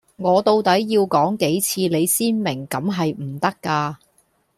我到底要講幾多次你先明咁係唔得架